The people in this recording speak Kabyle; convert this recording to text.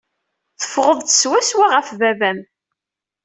Teffɣeḍ-d swaswa ɣef baba-m.